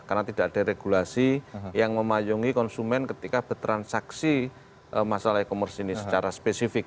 karena tidak ada regulasi yang memayungi konsumen ketika bertransaksi masalah e commerce ini secara spesifik